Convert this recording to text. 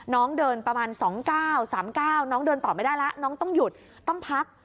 น้องเดินประมาณ๒๙๓๙น้องเดินต่อไม่ได้แล้วน้องต้องหยุดต้องพัก